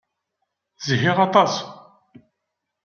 Zhiɣ aṭas.